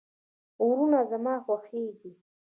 غرونه زما خوښیږي